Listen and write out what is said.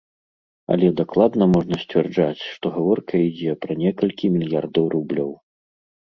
Але дакладна можна сцвярджаць, што гаворка ідзе пра некалькі мільярдаў рублёў.